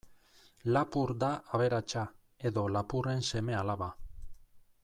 Lapur da aberatsa, edo lapurren seme-alaba.